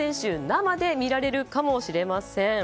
生で見られるかもしれません。